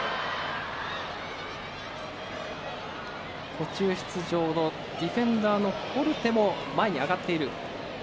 途中出場のディフェンダーのホルテも前に上がっている。